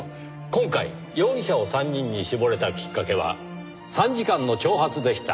今回容疑者を３人に絞れたきっかけは参事官の挑発でした。